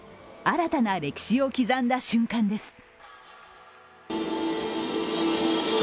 新たな歴史を刻んだ瞬間です。